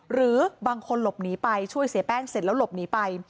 หรือบางคนหลบหนีไปช่วยเสียแป้งเสร็จแล้วหลบหนีไป